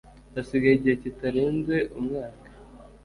hasigaye igihe kitarenze umwaka